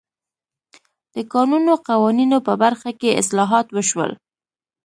د کانونو قوانینو په برخه کې اصلاحات وشول.